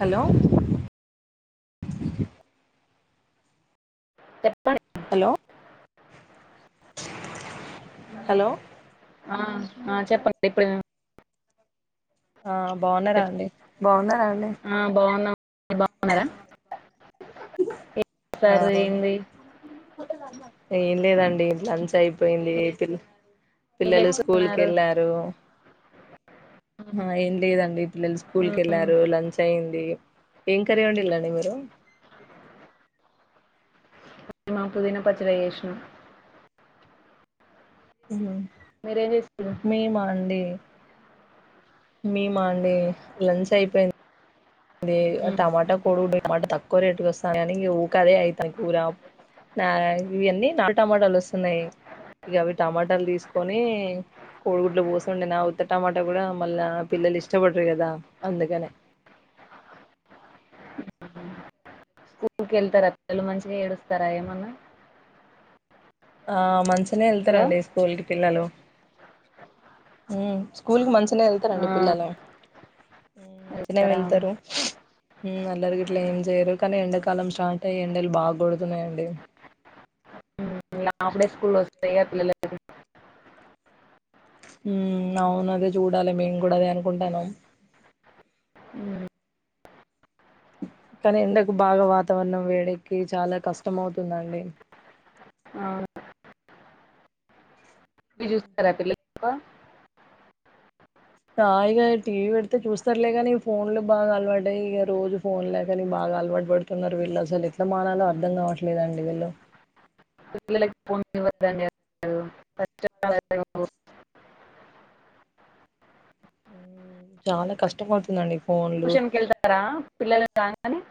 Hello చెప్పం hello hello ఆ ఆ చెప్పండి ఇప్పుడు ఆ బాగున్నారా అండి మీర్ బాన్నారా ఆ బాగున్నం ఏం లేదండి లంచ్ అయి పోయింది పిల్ ఏం పిల్లలు స్కూల్ చేస్తున్నారు కేళ్ళారు మా ఏం లేదండి పిల్లలు స్కూల్ ఉమ్, కేళ్ళారు లంచ్ అయింది ఏం కర్రీ ఓండిలాండీ మీరు మేమా పుదీనా పచ్చడి చేసినా మ్మ్ మీరేం చేస్తారు మేమా అండి మేమా అండి లంచ్ అయిపోయింది ది ఆ ఉమ్, టమాటా కొడుగుడ్ టమాటా తక్కువ రేటుకస్తాందని ఈగ ఊకాదే అయితది కూర నా ఇయన్నీ నాల్ టమాటాల్ ఓస్తున్నాయి ఇగా అవి టమాటాల్ తీస్కొని కోడిగుడ్ల వోసోండినా ఉత్త టమాటా గూడా మళ్ళా పిల్లలు ఇష్టవడరు గాదా అందుకనే ఊ కెళ్తారా పిల్లలు మంచిగా ఏడుస్తారా ఏమన్నా ఆ మంచినే హలో వెళ్తారండి స్కూల్ కి పిల్లలు మ్మ్ స్కూల్కి మంచ్ తినే ఆ, వెళ్తారండి పిల్లలు మంచినే వెళ్తారా వేళ్తారు మ్మ్ అల్లరి గిట్లా ఏం జేయరు కానీ ఎండాకాలం స్టార్ట్ అయ్యి ఎండలు బాగొడ్తూన్నాయండి ఇలా అప్డేట్స్ స్కూల్ లు వస్తే గా పిల్లలకు మ్మ్ అవును అదే చుడాలి మేము గూడా అదే అన్కుంటన్నాం ఉమ్, కాని ఎండాకు బాగా వాతావరణం వెడ్డేకి చాలా కష్టం అవుతుందండీ అవును చూస్తరా పిల్లల్ ఫోన్ ఆ ఇగా టీవీ వెడ్తే చూస్తారలే గనీ ఫోన్లు బాగా అలవాటైయి ఇగ రోజు ఫోన్ లేక నేన్ బాధ బాగ ఆల్వాట్ వడుతున్నారు వీళ్ళు అసలు ఎట్లా మానాలో అర్థం కావట్లేదండి వీళ్ళు ఇప్పటి పిల్లలకి ఫోన్ ఇవ్వడండి అసలు [inaudible] మ్మ్ చాలా కష్టంమతుందండి ఫోన్లు ట్యూషన్కి వెళ్తారా పిల్లలు రాగానే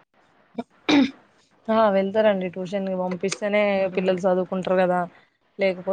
ఆ వేల్ వెళ్తారండి ట్యూషన్ గి వంపిస్తేనే ఉమ్. పిల్లలు సదుకుంటారు గాదా లేకపోతే